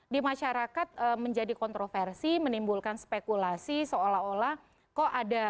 di masyarakat menjadi kontroversi menimbulkan spekulasi seolah olah kok ada